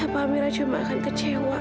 apa mira cuma akan kecewa